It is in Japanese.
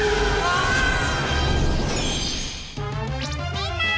みんな！